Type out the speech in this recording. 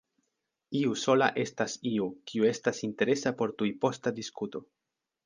Iu sola estas iu, kiu estas interesa por tujposta diskuto.